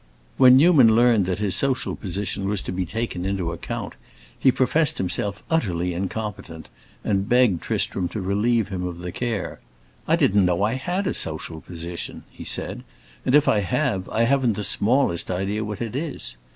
When Newman learned that his social position was to be taken into account, he professed himself utterly incompetent, and begged Tristram to relieve him of the care. "I didn't know I had a social position," he said, "and if I have, I haven't the smallest idea what it is.